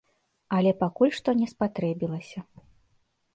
Але пакуль што не спатрэбілася.